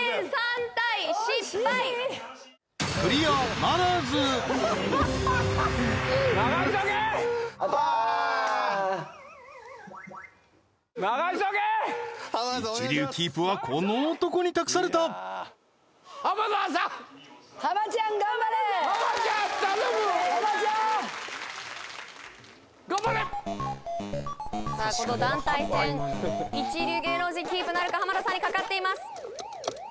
さあこの団体戦一流芸能人キープなるか浜田さんに懸かっています